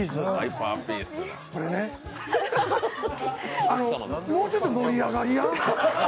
これね、あの、もうちょっと盛り上がりや。